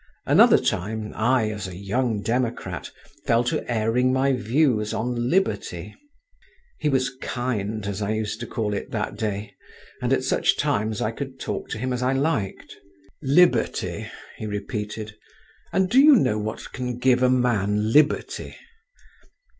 Another time, I, as a young democrat, fell to airing my views on liberty (he was "kind," as I used to call it, that day; and at such times I could talk to him as I liked). "Liberty," he repeated; "and do you know what can give a man liberty?"